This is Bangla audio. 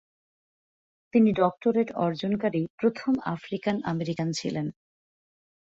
তিনি ডক্টরেট অর্জনকারী প্রথম আফ্রিকান আমেরিকান ছিলেন।